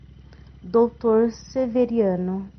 Doutor Severiano